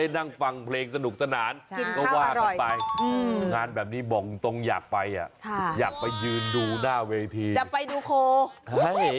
มันเป็นศีลแบบเอ๊ะวันนี้ได้เล่น